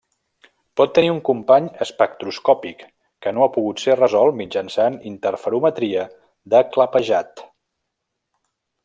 Pot tenir un company espectroscòpic que no ha pogut ser resolt mitjançant interferometria de clapejat.